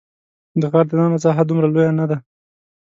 د غار دننه ساحه دومره لویه نه ده.